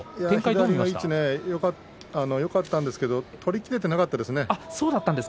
左の位置はよかったんですけれども取りきれていなかったですね。